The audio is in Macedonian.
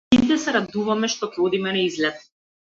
Сите се радуваме што ќе одиме на излет.